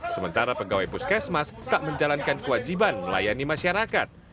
sementara pegawai puskesmas tak menjalankan kewajiban melayani masyarakat